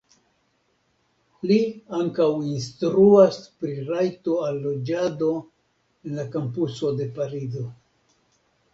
Li ankaŭ instruas pri rajto al loĝado en la kampuso de Parizo.